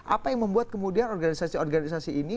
apa yang membuat kemudian organisasi organisasi ini